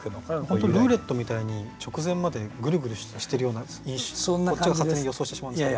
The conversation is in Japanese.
本当にルーレットみたいに直前までぐるぐるしてるようなこっちが勝手に予想してしまうんですけど。